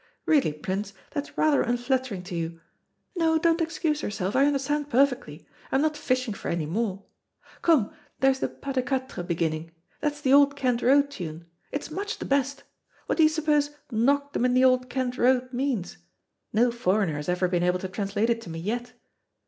Really, Prince, that's rather unflattering to you. No, don't excuse yourself; I understand perfectly. I'm not fishing for any more. Come, there's the pas de quatre beginning. That's the 'Old Kent Road' tune. It's much the best. What do you suppose 'Knocked 'em in the Old Kent Road' means? No foreigner has ever been able to translate it to me yet.